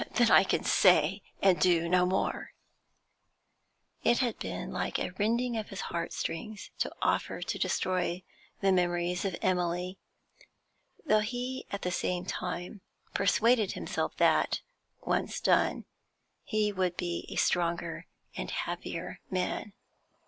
'Then I can say and do no more.' It had been like a rending of his heartstrings to offer to destroy these memories of Emily, though he at the same time persuaded himself that, once done, he would be a stronger and a happier man.